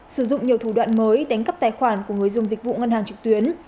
sử dụng nhiều thủ đoạn mới đánh cắp tài khoản của người dùng dịch vụ ngân hàng trực tuyến